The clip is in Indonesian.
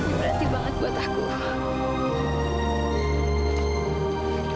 berarti banget buat aku